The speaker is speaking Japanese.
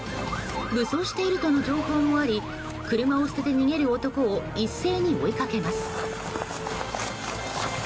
武装しているとの情報もあり車を捨てて逃げる男を一斉に追いかけます。